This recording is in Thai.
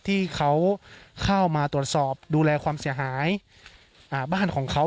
ที่เขาเข้ามาตรวจสอบดูแลความเสียหายบ้านของเขา